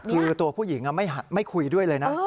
คือตัวผู้หญิงไม่คุยด้วยเลยนะ